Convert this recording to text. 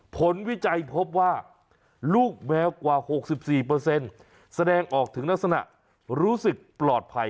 วิจัยพบว่าลูกแมวกว่า๖๔แสดงออกถึงลักษณะรู้สึกปลอดภัย